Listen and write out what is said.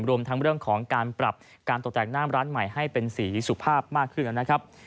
รวมทั้งเรื่องของการปรับการตกแต่งหน้ามร้านใหม่ให้เป็นสีสุภาพมากขึ้นนะครับ